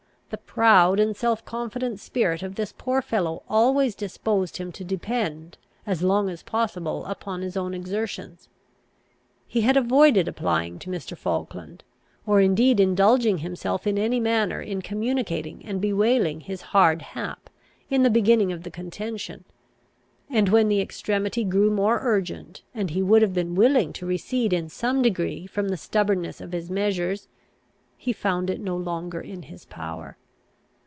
The proud and self confident spirit of this poor fellow always disposed him to depend, as long as possible, upon his own exertions. He had avoided applying to Mr. Falkland, or indeed indulging himself in any manner in communicating and bewailing his hard hap, in the beginning of the contention, and, when the extremity grew more urgent, and he would have been willing to recede in some degree from the stubbornness of his measures, he found it no longer in his power.